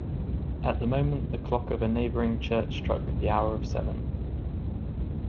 At the moment the clock of a neighbouring church struck the hour of seven.